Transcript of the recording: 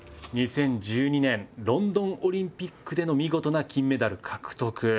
２０１２年ロンドンオリンピックでの見事な金メダル獲得。